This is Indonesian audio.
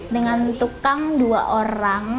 dengan tukang dua orang